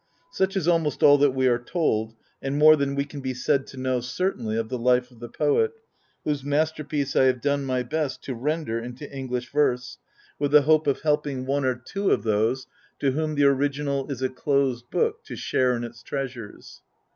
Such is almost all that we are told, and more than we can be said to know certainly, of the life of the poet, whose masterpiece I have done my best to render into English verse, with the hope of helping viii THE HOUSE OF ATREUS one or two of those to whom the original is a closed book, to share in its treasures.